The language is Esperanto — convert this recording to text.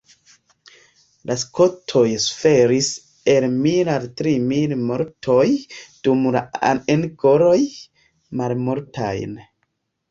La skotoj suferis el mil al tri mil mortoj, dum la angloj malmultajn.